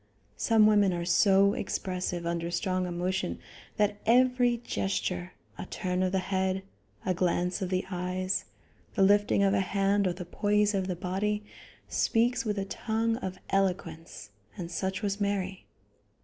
Some women are so expressive under strong emotion that every gesture, a turn of the head, a glance of the eyes, the lifting of a hand or the poise of the body, speaks with a tongue of eloquence, and such was Mary.